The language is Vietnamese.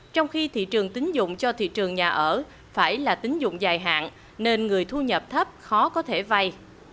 trong khi thị trường tính dụng cho thị trường nhà ở phải là tính dụng dài hạn nên người thu nhập thấp khó có thể vay